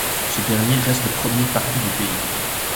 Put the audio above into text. Ce dernier reste le premier parti du pays.